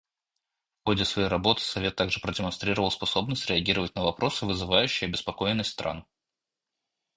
В ходе своей работы Совет также продемонстрировал способность реагировать на вопросы, вызывающие обеспокоенность стран.